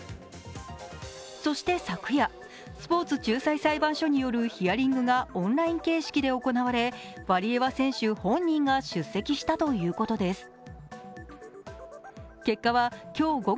そして昨夜スポーツ仲裁裁判所によるヒアリングがオンライン形式で行われワリエワ選手本人が出席したということです。